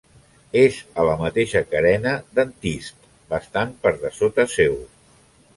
És a la mateixa carena d'Antist, bastant per dessota seu.